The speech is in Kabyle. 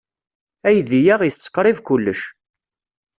Aydi-a itett qrib kullec.